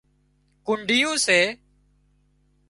ڪنڍيون سي